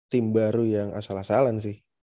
tim baru yang asal asalan sih